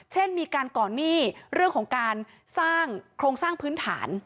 เช่นมีการก่อนหนี้เรื่องของการสร้างโครงสร้างพื้นฐาน